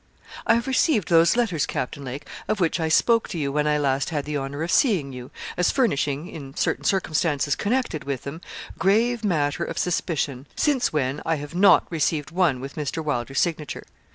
'I have received those letters, Captain Lake, of which I spoke to you when I last had the honour of seeing you, as furnishing, in certain circumstances connected with them, grave matter of suspicion, since when I have not received one with Mr. Wylder's signature.